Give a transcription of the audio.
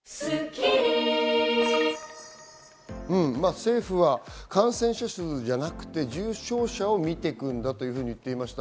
政府は感染者数じゃなくて重症者をみていくんだと言っていました。